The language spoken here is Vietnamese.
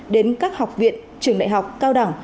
đến các học viện trường đại học cao đẳng